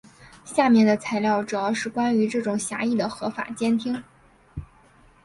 下面的材料主要是关于这种狭义的合法监听。